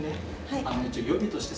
はい。